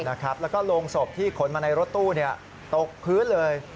แล้วก็โรงศพที่ขนมาในรถตู้ตกพื้นเลย